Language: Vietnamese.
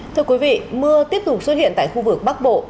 thưa quý vị mưa tiếp tục xuất hiện tại khu vực bắc bộ